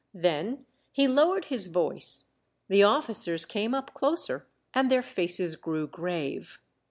Then he lowered his voice, the officers came up closer, and their faces grew grave.